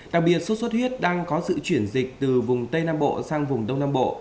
đặc biệt sốt xuất huyết đang có sự chuyển dịch từ vùng tây nam bộ sang vùng đông nam bộ